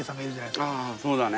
そうだね！